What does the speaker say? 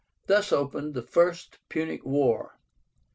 Thus opened the FIRST PUNIC WAR.